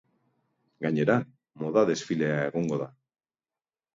Gainera, moda-desfilea egongo da.